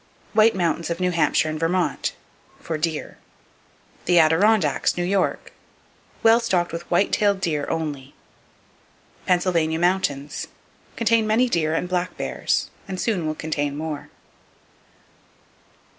White Mountains Of New Hampshire And Vermont : For deer. The Adirondacks, New York : Well stocked with white tailed deer, only. Pennsylvania Mountains : Contain many deer and black bears, and soon will contain more.